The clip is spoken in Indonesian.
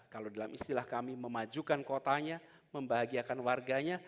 kalau dalam istilah kami memajukan kotanya membahagiakan warganya